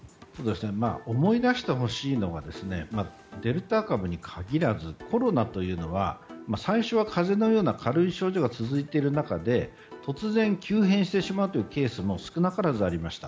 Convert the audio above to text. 思い出してほしいのがデルタ株に限らずコロナというのは最初は風邪のような軽い症状が続いている中で突然、急変してしまうというケースも少なからずありました。